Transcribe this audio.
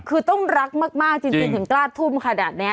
คือต้องรักมากจริงถึงกล้าทุ่มขนาดนี้